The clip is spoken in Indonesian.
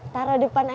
taruh depan aja ya